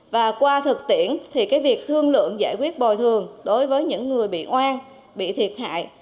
và qua thực tiễn thì cái việc thương lượng giải quyết bồi thường đối với những người bị oan bị thiệt hại